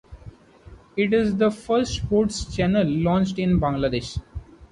It is the first sports channel launched in Bangladesh.